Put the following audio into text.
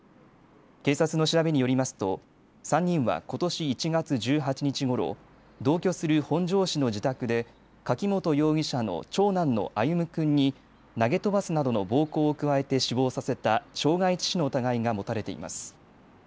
警察の調べによりますと３人はことし１月１８日ごろ、同居する本庄市の自宅で柿本容疑者の長男の歩夢君に投げ飛ばすなどの暴行を加えて死亡させた傷害致死の疑いが持たれています。